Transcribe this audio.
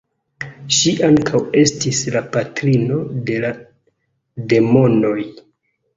Ŝi ankaŭ estis la patrino de la demonoj.